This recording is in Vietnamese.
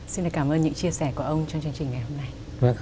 xin cảm ơn những chia sẻ của ông trong chương trình ngày hôm nay